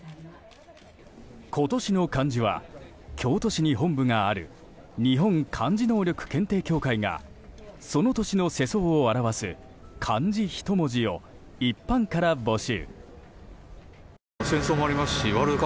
今年の漢字は京都市に本部がある日本漢字能力検定協会がその年の世相を表す漢字一文字を一般から募集。